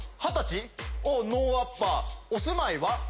「二十歳」おノーアッパーお住まいは？